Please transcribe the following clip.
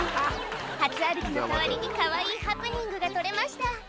初歩きの代わりにかわいいハプニングが撮れました。